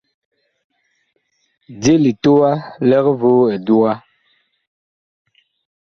Je litowa lig voo eduga.